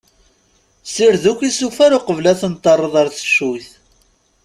Ssired akk isufar uqbel aten-terreḍ ar teccuyt.